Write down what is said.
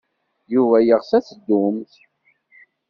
Yuba yeɣs ad teddumt.